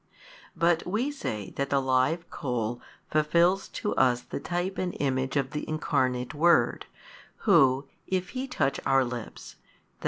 But we say that the live coal fulfils to us the type and image of the Incarnate Word, Who, if He touch our lips, i.